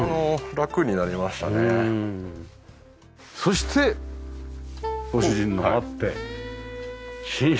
そしてご主人のがあって寝室。